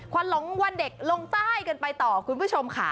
วันหลงวันเด็กลงใต้กันไปต่อคุณผู้ชมค่ะ